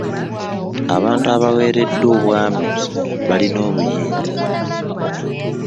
Abantu abaweereddwa obwami balina obuyinza.